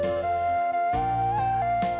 บ๊ายบาย